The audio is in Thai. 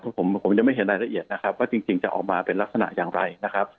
ผมยังไม่เห็นรายละเอียดนะครับว่าจริงจะออกมาเป็นลักษณะอย่างไรนะครับ